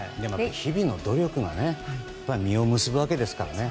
日々の努力が実を結ぶわけですからね。